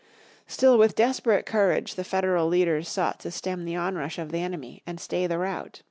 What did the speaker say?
Still with desperate courage the Federal leaders sought to stem the onrush of the enemy and stay the rout.